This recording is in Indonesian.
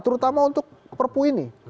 terutama untuk perpu ini